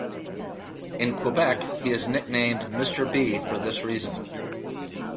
In Quebec, he is nicknamed Mister B for this reason.